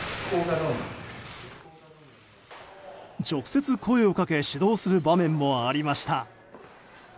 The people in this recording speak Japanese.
直接声をかけ指導する場面もありました。